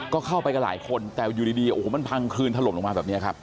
ก็เข้าไปกันหลายคนแต่อยู่ดีโอ้โหมันพังคลืนถล่มลงมาแบบนี้ครับ